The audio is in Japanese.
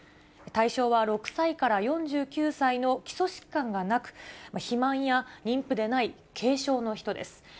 対象は６歳から４９歳の基礎疾患がなく、肥満や妊婦でない軽症の人です。